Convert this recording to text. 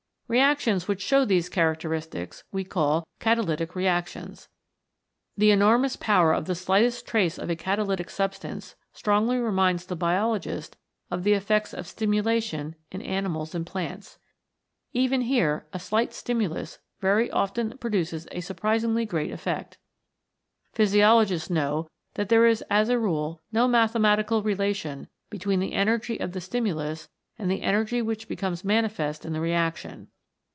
Reactions which show these characteristics we call Catalytic Reactions. The enormous power of the slightest trace of a catalytic substance strongly reminds the biologist of the effects of stimulation in animals and plants. Even here a slight stimulus very often produces a surprisingly great effect. Physiologists know that there is as a rule no mathematical relation between the energy of the stimulus and the energy which becomes manifest in the reaction.